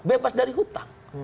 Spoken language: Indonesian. bebas dari hutang